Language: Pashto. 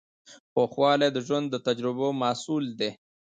پوخوالی د ژوند د تجربو محصول دی.